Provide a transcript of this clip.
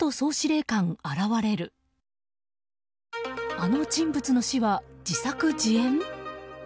あの人物の死は自作自演？